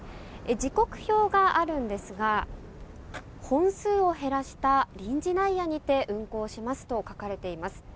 時刻表があるんですが本数を減らした臨時ダイヤにて運行しますと書かれています。